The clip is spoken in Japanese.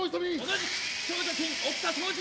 同じく副長助勤、沖田総司。